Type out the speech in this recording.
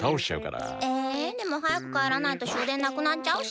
えでもはやくかえらないと終電なくなっちゃうし。